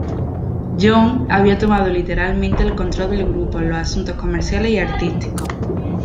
John había tomado literalmente el control del grupo en los asuntos comerciales y artísticos.